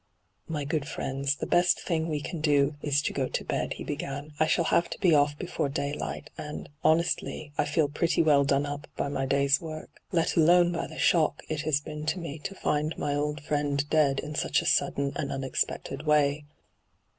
' My good friends, the best thing we can do is to go to bed,' he began. ' I shall have hyGoogIc ENTRAPPED 39 to be off before daylight, and, honestly, I feel pretty well done up by my day's work, let alone by the shock it has been to nxe to find my old friend dead in such a sudden and unexpected way.